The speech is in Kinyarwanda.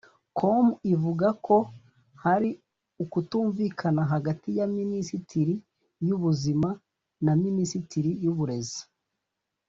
com ivuga ko hari ukutumvikana hagati ya Minisiteri y’ubuzima na Minisiteri y’Uburezi